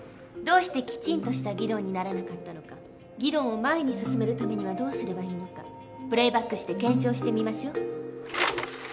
どうしてきちんとした議論にならなかったのか議論を前に進めるためにはどうすればいいのかプレーバックして検証してみましょう。